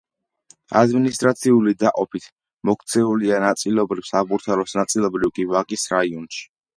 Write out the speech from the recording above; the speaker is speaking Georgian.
ადმინისტრაციული დაყოფით მოქცეულია ნაწილობრივ საბურთალოს, ნაწილობრივ კი ვაკის რაიონში.